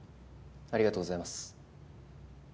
ありがとうございます。